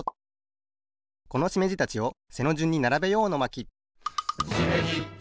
このしめじたちを背のじゅんにならべよう！の巻